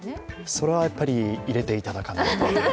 それはやっぱり入れていただかないと。